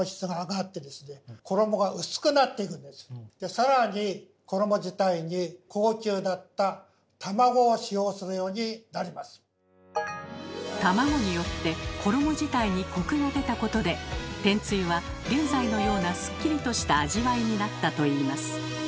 更に卵によって衣自体にコクが出たことで天つゆは現在のようなスッキリとした味わいになったといいます。